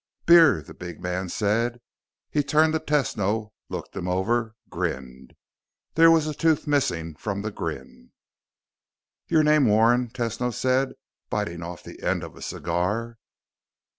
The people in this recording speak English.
"Beer," the big man said. He turned to Tesno, looked him over, grinned. There was a tooth missing from the grin. "Your name Warren?" Tesno said, biting off the end of a cigar.